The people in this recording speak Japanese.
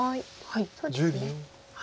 そうですね。